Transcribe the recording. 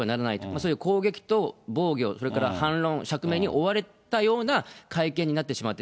そういう攻撃と暴挙、それに反論、釈明に追われたような会見になってしまった。